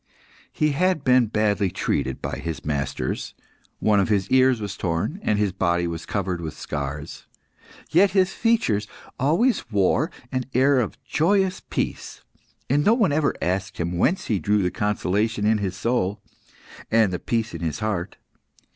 He had been badly treated by his masters; one of his ears was torn, and his body covered with scars. Yet his features always wore an air of joyous peace. And no one ever asked him whence he drew the consolation in his soul, and the peace in his heart.